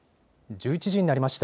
１１時になりました。